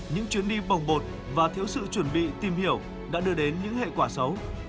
những chuyến đi bồng bột và thiếu sự chuẩn bị tìm hiểu đã đưa đến những hệ quả xấu